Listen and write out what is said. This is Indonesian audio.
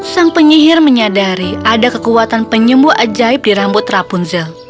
sang penyihir menyadari ada kekuatan penyembuh ajaib di rambut rapunzel